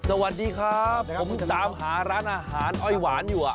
สวัสดีครับผมตามหาร้านอาหารอ้อยหวานอยู่